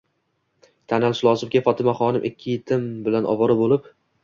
Tan olish lozimki, Fotimaxonim ikki yetim bilan ovora bo'lib